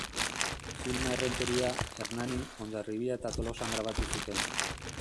Filma Errenteria, Hernani, Hondarribia eta Tolosan grabatu zuten.